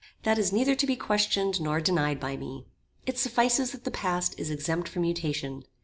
That is neither to be questioned nor denied by me. It suffices that the past is exempt from mutation.